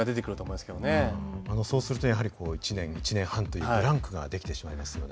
そうするとやはり１年１年半というブランクが出来てしまいますよね。